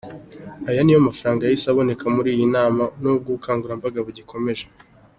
Aya niyo mafaranga yahise aboneka muri iyi nama nubwo ubukangurambaga bugikomeje.